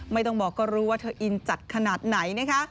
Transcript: ไม่ต้องบอกก็รู้ว่าเธออินจัดขนาดไหนนะคะ